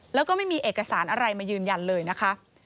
แล้วก็ไม่มีเอกสารอะไรมายืนยันเลยนะคะ